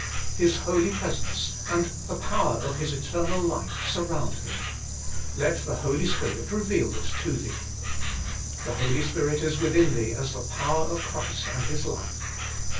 His Holy Presence, and the power of His eternal life, surround thee : let the Holy Spirit reveal this to thee. The Holy Spirit is within thee as the power of Christ and His life.